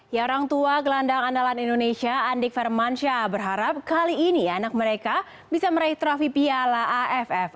ya orang tua gelandang andalan indonesia andik firmansyah berharap kali ini anak mereka bisa meraih trofi piala aff